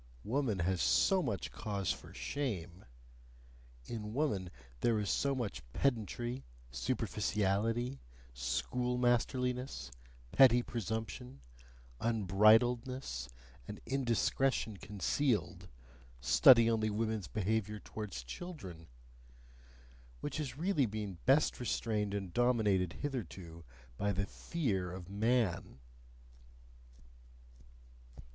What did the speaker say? Woman has so much cause for shame; in woman there is so much pedantry, superficiality, schoolmasterliness, petty presumption, unbridledness, and indiscretion concealed study only woman's behaviour towards children! which has really been best restrained and dominated hitherto by the FEAR of man.